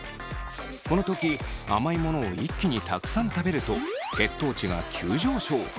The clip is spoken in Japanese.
この時甘いものを一気にたくさん食べると血糖値が急上昇。